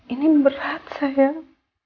ini berat sayang